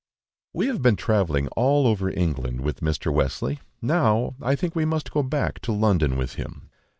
WE have been travelling all over England with Mr. Wesley, now I think we must go back to London with him.